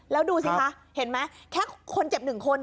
แล้วดูสิคะเห็นไหมแค่คนเจ็บ๑คน